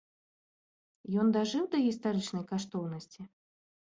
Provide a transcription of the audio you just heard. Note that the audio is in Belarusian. Ён дажыў да гістарычнай каштоўнасці?